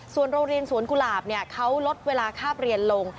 ส่วนโรงเรียนสวนกุหลาบเขาลดเวลาคาบเรียนลง